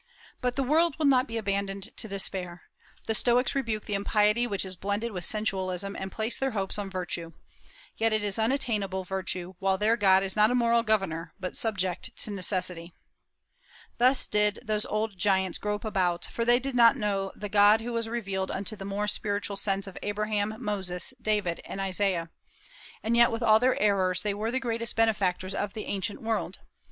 But the world will not be abandoned to despair. The Stoics rebuke the impiety which is blended with sensualism, and place their hopes on virtue. Yet it is unattainable virtue, while their God is not a moral governor, but subject to necessity. Thus did those old giants grope about, for they did not know the God who was revealed unto the more spiritual sense of Abraham, Moses, David, and Isaiah. And yet with all their errors they were the greatest benefactors of the ancient world.